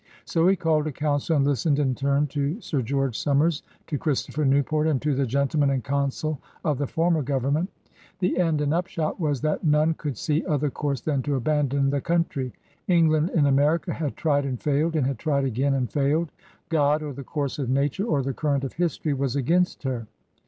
'' So he called a Council and listened in turn to Sir George Somers, 70 PIONEERS OF THE OLD SOUTH to Christopher Newport, and to ''the gentlemen and Counsaile of the former Government/' The end and upshot was that none could see other course than to abandon the country. England in America had tried and failed, and had tried again and failed. Qod, or the course of Nature, or the current of History was against her.